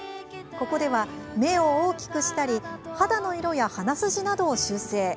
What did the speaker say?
ここでは、目を大きくしたり肌の色や鼻筋などを修正。